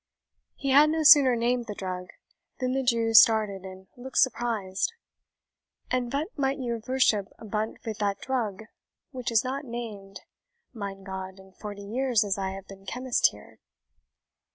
He had no sooner named the drug, than the Jew started and looked surprised. "And vat might your vorship vant vith that drug, which is not named, mein God, in forty years as I have been chemist here?"